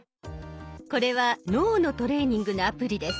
これは脳のトレーニングのアプリです。